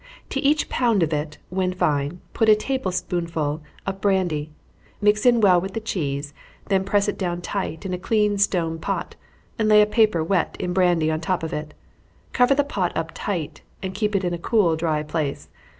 To each pound of it, when fine, put a table spoonful of brandy mix it in well with the cheese, then press it down tight, in a clean stone pot, and lay a paper wet in brandy on the top of it. Cover the pot up tight, and keep it in a cool, dry place.